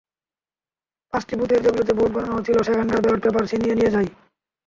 পাঁচটি বুথের যেগুলোতে ভোট গণনা হচ্ছিল সেখানকার ব্যালট পেপার ছিনিয়ে নিয়ে যায়।